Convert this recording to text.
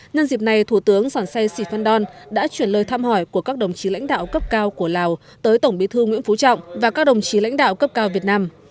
nhân dịp này thủ tướng sản xây sì phan đon đã chuyển lời thăm hỏi của các đồng chí lãnh đạo cấp cao của lào tới tổng bí thư nguyễn phú trọng và các đồng chí lãnh đạo cấp cao việt nam